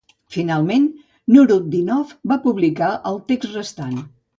Finalment, Nurutdinov va publicar el text restant.